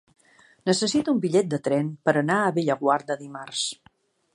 Necessito un bitllet de tren per anar a Bellaguarda dimarts.